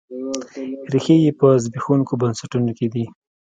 ریښې یې په زبېښونکو بنسټونو کې دي.